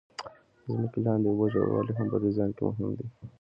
د ځمکې لاندې اوبو ژوروالی هم په ډیزاین کې مهم دی